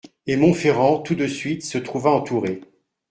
Et Monferrand, tout de suite, se trouva entouré.